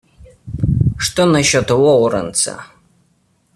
Что насчет Лоуренса?